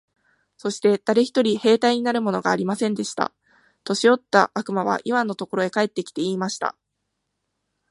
そして誰一人兵隊になるものがありませんでした。年よった悪魔はイワンのところへ帰って来て、言いました。